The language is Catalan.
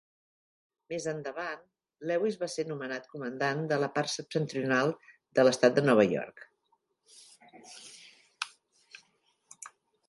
Més endavant, Lewis va ser nomenat comandant de la part septentrional de l'Estat de Nova York.